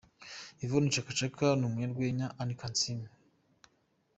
Yvonne Chaka Chaka n’umunyarwenya Anne Kansiime